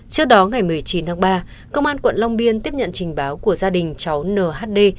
trước đó ngày một mươi chín tháng ba công an quận long biên tiếp nhận trình báo của gia đình cháu nhd